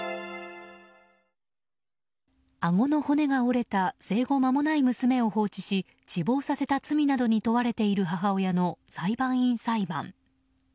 あごの骨が折れた生後間もない娘を放置し死亡させた罪などに問われている母親の裁判員裁判。